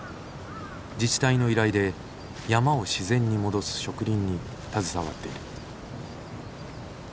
自治体の依頼で山を自然に戻す植林に携わっている。